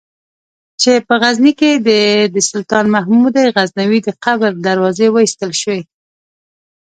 چې په غزني کې دې د سلطان محمود غزنوي د قبر دروازې وایستل شي.